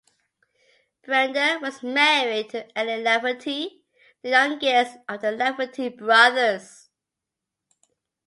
Brenda was married to Allen Lafferty, the youngest of the Lafferty brothers.